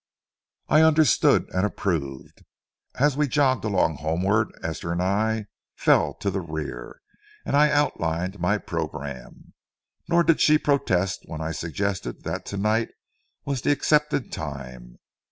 I understood and approved. As we jogged along homeward, Esther and I fell to the rear, and I outlined my programme. Nor did she protest when I suggested that to night was the accepted time.